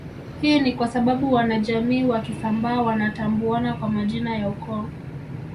Hii ni kwasababu wanajamii wa Kisambaa wanatambuana kwa majina ya ukoo